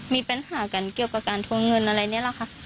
มีปัญหากันเกี่ยวกับการทวงเงินอะไรนี่แหละค่ะ